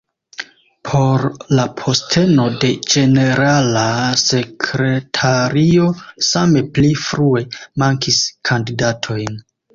Por la posteno de ĝenerala sekretario same pli frue mankis kandidatoj.